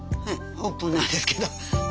オーブンなんですけど。